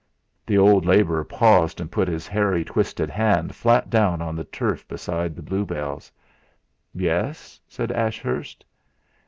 The old labourer paused, and put his hairy, twisted hand flat down on the turf beside the bluebells. "Yes?" said Ashurst.